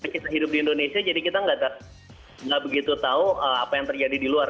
kita hidup di indonesia jadi kita nggak begitu tahu apa yang terjadi di luar